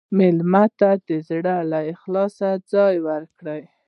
مېلمه ته د زړه له اخلاصه ځای ورکړه.